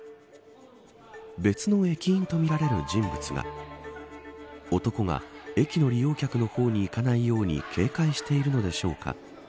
別の駅員とみられる人物が男が駅の利用客の方に行かないように警戒しているのでしょうか。